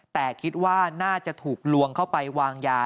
แต่คิดว่าน่าจะถูกลวงเข้าไปวางยา